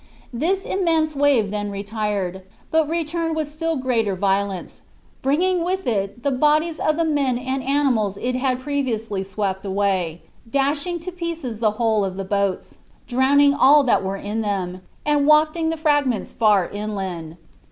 This immense wave then retired, but returned with still greater violence, bringing with it the bodies of the men and animals it had previously swept away, dashing to pieces the whole of the boats, drowning all that were in them, and wafting the fragments far inland.